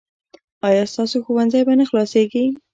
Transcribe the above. ایا ستاسو ښوونځی به نه خلاصیږي؟